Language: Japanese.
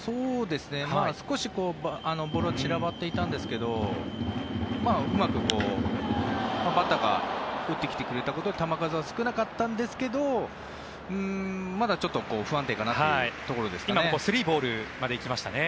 少しボールは散らばっていたんですけどうまくバッターが打ってきてくれたことで球数は少なかったんですけどまだちょっと不安定かなというところですね。